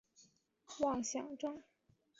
精神科医生亦证实被告患有妄想症。